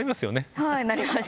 はいなりました。